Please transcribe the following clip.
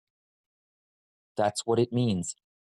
That's what it means!